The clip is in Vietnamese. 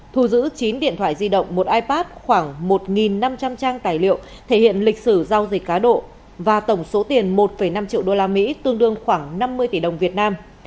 thu giữ chín điện thoại di động một ipad khoảng một năm trăm linh trang tài liệu thể hiện lịch sử giao dịch cá độ và tổng số tiền một năm triệu đô la mỹ tương đương khoảng năm mươi tỷ đồng việt nam